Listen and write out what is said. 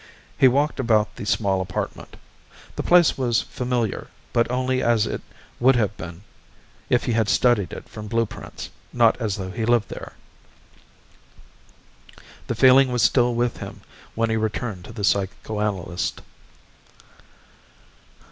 He walked about the small apartment. The place was familiar, but only as it would have been if he had studied it from blueprints, not as though he lived there. The feeling was still with him when he returned to the psychoanalyst.